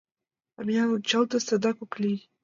А миен ончалде садак ок лий.